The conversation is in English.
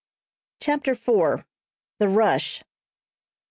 CHAPTER IV. THE RUSH.